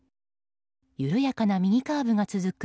緩やかな右カーブが続く